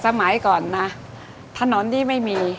สมัยก่อนนะถนนที่ไม่มี